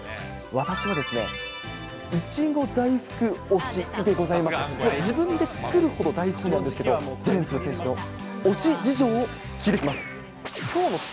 私はですね、いちご大福推しでございまして、自分で作るほど大好きなんですけど、ジャイアンツの選手の推し事情を聞いてきます。